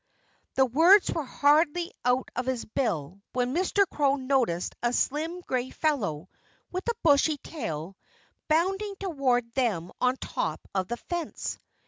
The words were hardly out of his bill when Mr. Crow noticed a slim, gray fellow, with a bushy tail, bounding toward them on top of the fence.